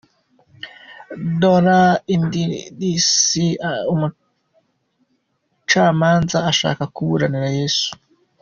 Dola Indidis, Umucamanza ushaka kuburanira Yezu.